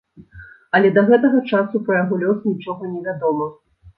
Але да гэтага часу пра яго лёс нічога не вядома.